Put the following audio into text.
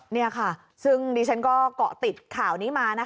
นี่ค่ะซึ่งดิฉันก็เกาะติดข่าวนี้มานะคะ